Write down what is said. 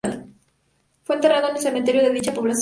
Fue enterrado en el cementerio de de dicha población.